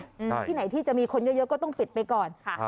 ที่ไหนที่จะมีคนเยอะเยอะก็ต้องปิดไปก่อนค่ะ